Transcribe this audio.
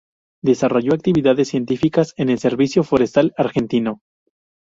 Desarrolló actividades científicas en el Servicio Forestal Argentino.